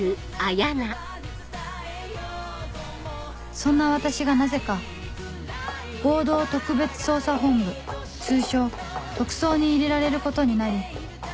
そんな私がなぜか合同特別捜査本部通称「特捜」に入れられることになり